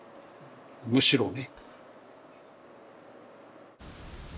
むしろね。